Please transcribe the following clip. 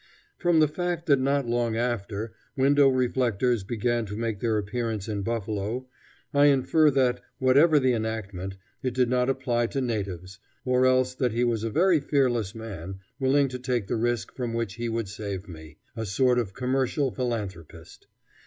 From the fact that not long after window reflectors began to make their appearance in Buffalo, I infer that, whatever the enactment, it did not apply to natives, or else that he was a very fearless man, willing to take the risk from which he would save me a sort of commercial philanthropist.